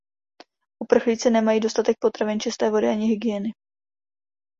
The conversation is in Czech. Uprchlíci nemají dostatek potravin, čisté vody ani hygieny.